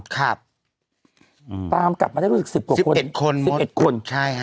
ตามกลับมาได้รู้สึก๑๐กว่าคน๑๑คน